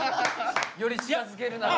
より近づけるなら。